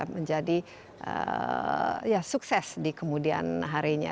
menjadi ya sukses di kemudian harinya